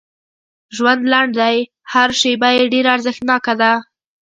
ژوند لنډ دی هر شیبه یې ډېره ارزښتناکه ده